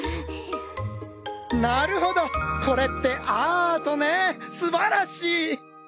なるほどこれってアートねすばらしい！